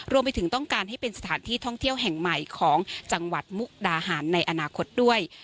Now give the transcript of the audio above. รวมไปถึงต้องการให้เป็นสถานที่ท่องเที่ยวแห่งใหม่ของจังหวัดมุกดาหารในอนาคตด้วย